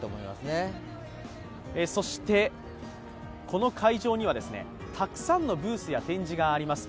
この会場には、たくさんのブースや展示があります。